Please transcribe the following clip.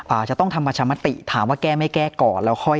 อาจจะต้องทำประชามติถามว่าแก้ไม่แก้ก่อนแล้วค่อย